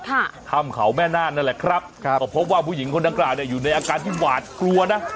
ถ้ำเขาแม่นานนั่นแหละครับครับก็พบว่าผู้หญิงคนดังกล่าวเนี้ยอยู่ในอาการที่หวาดกลัวนะ